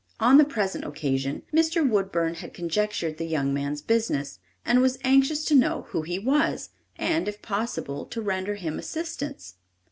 On the present occasion, Mr. Woodburn had conjectured the young man's business, and was anxious to know who he was, and, if possible, to render him assistance.